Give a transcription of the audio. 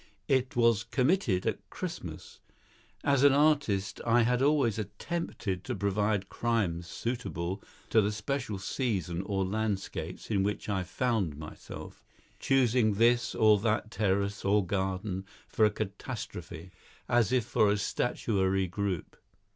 It was committed at Christmas. As an artist I had always attempted to provide crimes suitable to the special season or landscapes in which I found myself, choosing this or that terrace or garden for a catastrophe, as if for a statuary group.